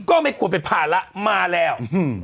ก็ไม่ควรเป็นภาระมาแล้ว